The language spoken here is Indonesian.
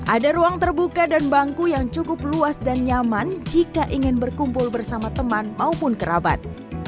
ada ruang terbuka dan bangku yang cukup luas dan nyaman jika ingin berkumpul bersama teman maupun kerabat